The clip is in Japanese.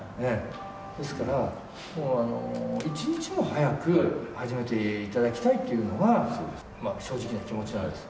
ですから、もう一日も早く始めていただきたいというのが、正直な気持ちなんです。